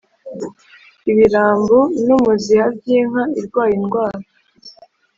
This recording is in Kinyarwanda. Ibirambu n umuziha by inka irwaye indwara